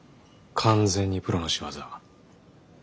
完全にプロの仕業。